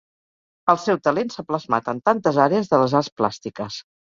El seu talent s'ha plasmat en tantes àrees de les arts plàstiques.